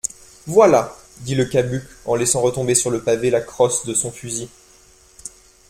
Voilà ! dit Le Cabuc en laissant retomber sur le pavé la crosse de son fusil.